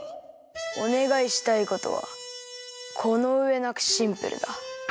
おねがいしたいことはこのうえなくシンプルだ。